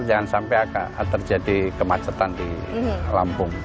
jangan sampai terjadi kemacetan di lampung